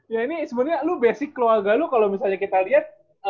ya ini sebenarnya lu basic keluarga lo kalau misalnya kita lihat